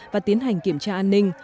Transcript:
và tiến hành kiểm tra an ninh